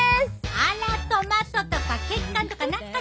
あらトマトとか血管とか懐かしいな。